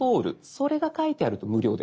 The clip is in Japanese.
それが書いてあると無料です。